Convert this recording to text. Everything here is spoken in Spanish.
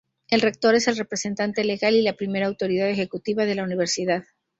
El rector es el representante legal y la primera autoridad ejecutiva de la Universidad.